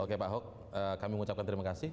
oke pak hock kami ucapkan terima kasih